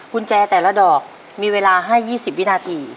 กุญแจแต่ละดอกมีเวลาให้๒๐วินาที